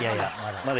まだ？